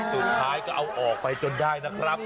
สุดท้ายก็เอาออกไปจนได้นะครับ